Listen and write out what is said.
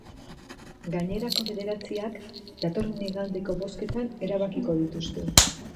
Gainerako bederatziak datorren igandeko bozketan erabakiko dituzte.